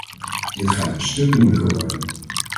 Dit gaat een stuk moeilijker worden.